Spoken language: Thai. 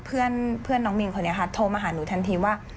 เพื่อนน้องมินคนนี้ค่ะโทรมาหาหนูทันทีว่า